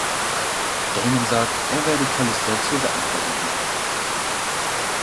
Damon sagt, er werde Callista zu retten versuchen.